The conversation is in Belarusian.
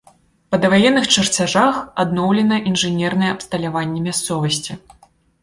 Па даваенных чарцяжах адноўлена інжынернае абсталяванне мясцовасці.